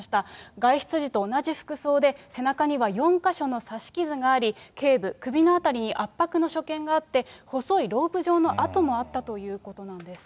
外出時と同じ服装で、背中には４か所の刺し傷があり、けい部、首の辺りに圧迫の所見があって、細いロープ状の痕もあったということなんです。